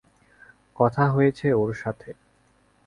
কথা হয়েছে ওর সাথে।